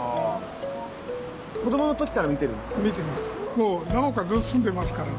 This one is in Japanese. もう長岡ずっと住んでますから。